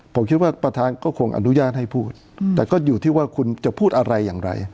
ผมคิดว่าประธานก็คงอนุญาตให้พูดแต่ก็อยู่ที่ว่าคุณจะพูดอะไรอย่างไร